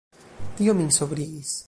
Tio min sobrigis.